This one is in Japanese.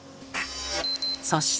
そして。